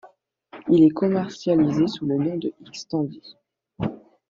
Il est commercialisé sous le nom de Xtandi.